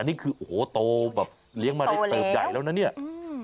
นี่คือโหโธมันโตแบบเลี้ยงมาเนี่ยเติบใหญ่แล้วนะเนี่ยเอื้อ